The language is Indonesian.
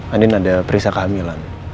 andien ada perisa kehamilan